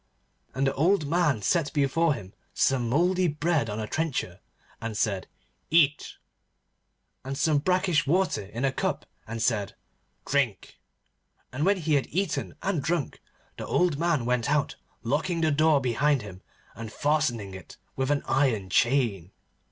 And the old man set before him some mouldy bread on a trencher and said, 'Eat,' and some brackish water in a cup and said, 'Drink,' and when he had eaten and drunk, the old man went out, locking the door behind him and fastening it with an iron chain.